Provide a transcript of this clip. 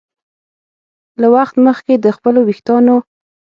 له وخت مخکې د خپلو ویښتانو